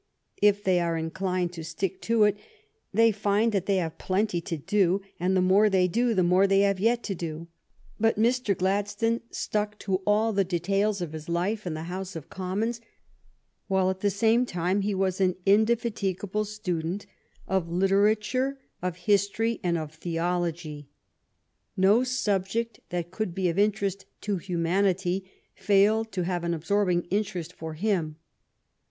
If they are inclined to stick to it, they find that they have plenty to do, and the more they do the more they have yet to do. But Mr. Gladstone stuck to all the details of his life in the House of Commons, while at the same time he was an indefatigable student of THE FREE TRADE STRUGGLE literature, of history, and of theology. No subject that could be of interest to humanity failed to have an absorbing interest for him.